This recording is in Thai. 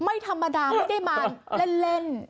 ไม่ธรรมดาไม่ได้มาเล่น